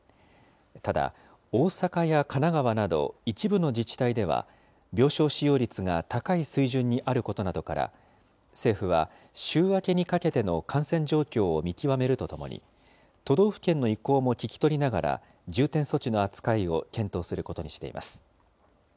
ただ、大阪や神奈川など、一部の自治体では、病床使用率が高い水準にあることなどから、政府は、週明けにかけての感染状況を見極めるとともに、都道府県の意向も聞き取りながら、重点措置の扱いを検討することにしています。